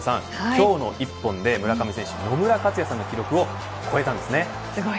今日の一本で、村上選手は野村克也さんの記録をすごいですね。